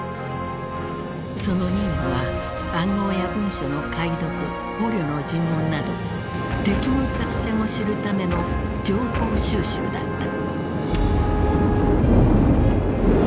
その任務は暗号や文書の解読捕虜の尋問など敵の作戦を知るための情報収集だった。